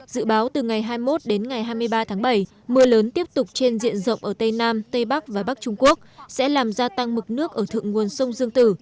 dự báo từ ngày hai mươi một đến ngày hai mươi ba tháng bảy mưa lớn tiếp tục trên diện rộng ở tây nam tây bắc và bắc trung quốc sẽ làm gia tăng mực nước ở thượng nguồn sông dương tử